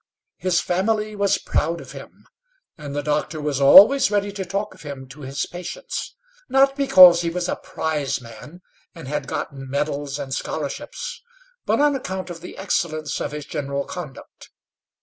His family was proud of him, and the doctor was always ready to talk of him to his patients; not because he was a prizeman, and had gotten medals and scholarships, but on account of the excellence of his general conduct.